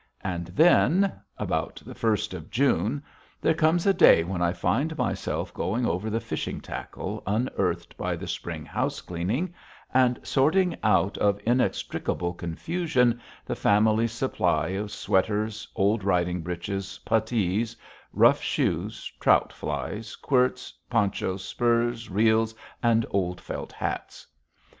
And then about the first of June there comes a day when I find myself going over the fishing tackle unearthed by the spring house cleaning and sorting out of inextricable confusion the family's supply of sweaters, old riding breeches, puttees, rough shoes, trout flies, quirts, ponchos, spurs, reels, and old felt hats.